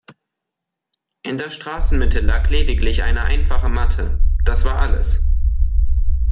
In der Straßenmitte lag lediglich eine einfache Matte, das war alles.